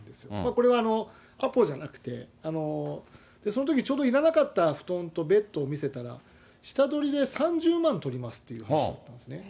これはアポじゃなくて、そのときちょうどいらなかった布団とベッドを見せたら、下取りで３０万とりますっていう話だったんですね。